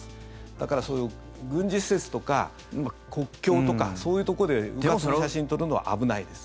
だから、そういう軍事施設とか国境とかそういうところでうかつに写真撮るのは危ないです。